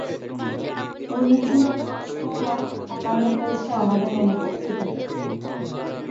অনেকগুলো ধর্ষণ আর হত্যাকান্ড হয়েছে আমাদের অনুপস্থিতিতে।